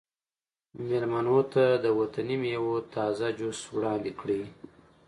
میلمنو ته د وطني میوو تازه جوس وړاندې کړئ